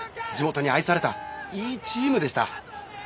地元に愛されたいいチームでした。